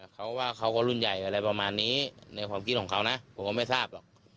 เขาว่าเขาก็รุ่นใหญ่อะไรปกติในความพิธีของเขานะพวกเขาก็ไม่ทราบ